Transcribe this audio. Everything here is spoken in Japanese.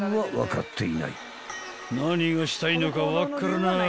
［何がしたいのか分からない